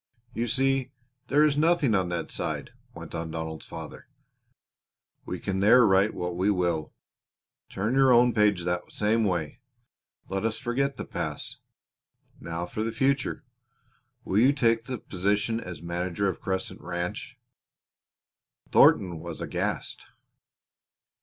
"You see there is nothing on that side," went on Donald's father. "We can there write what we will. Turn your own page the same way. Let us forget the past. Now for the future! Will you take the position as manager of Crescent Ranch?" Thornton was aghast.